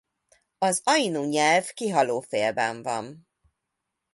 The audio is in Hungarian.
Az ainu nyelv kihalófélben van.